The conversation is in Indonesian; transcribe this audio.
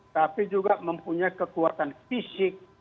tapi juga mempunyai kekuatan fisik